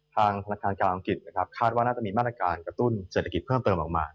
ธนาคารการอังกฤษนะครับคาดว่าน่าจะมีมาตรการกระตุ้นเศรษฐกิจเพิ่มเติมออกมา